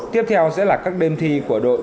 tiếp theo sẽ là các đêm thi của đội